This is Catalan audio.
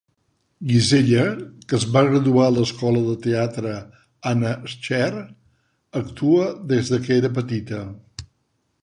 Kinsella, que es va graduar a l'Escola de Teatre Anna Scher, actua des de que era petita.